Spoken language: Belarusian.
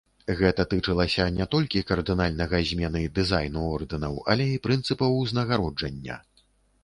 Гэта тычылася не толькі кардынальнага змены дызайну ордэнаў, але і прынцыпаў узнагароджання.